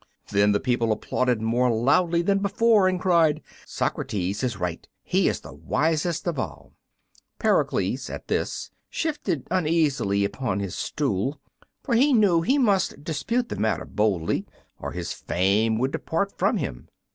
Then the people applauded more loudly than before, and cried, "Socrates is right! he is wisest of all." Pericles, at this, shifted uneasily upon his stool, for he knew he must dispute the matter boldly or his fame would depart from him.